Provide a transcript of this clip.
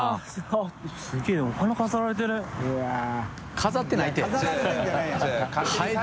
飾ってないって。